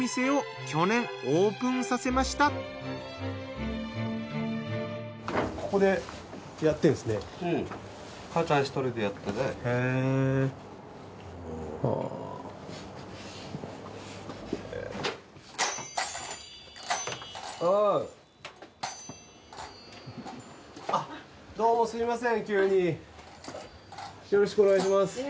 よろしくお願いします。